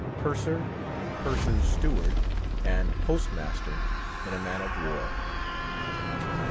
PURSER, PURSER'S STEWARD, AND POSTMASTER IN A MAN OF WAR.